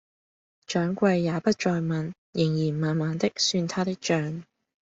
掌櫃也不再問，仍然慢慢的算他的賬